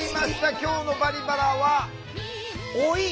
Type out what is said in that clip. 今日の「バリバラ」は老い。